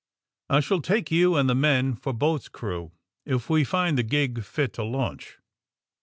I shall take you and the men for boat's crew if we find the gig fit to launch."